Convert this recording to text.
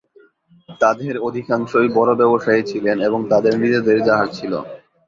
তাদের অধিকাংশই বড় ব্যবসায়ী ছিলেন এবং তাদের নিজেদের জাহাজ ছিল।